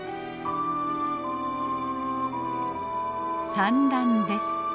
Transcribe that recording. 産卵です。